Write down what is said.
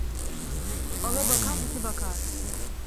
Ala bakan iki bakar.